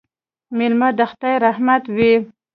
مېلمه د خدای رحمت وي